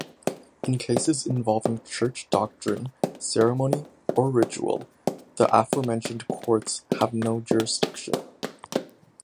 In cases involving church doctrine, ceremony or ritual, the aforementioned courts have no jurisdiction.